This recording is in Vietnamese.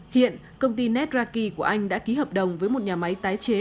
hiện công ty netraki của anh đã ký hợp đồng với một nhà máy tái chế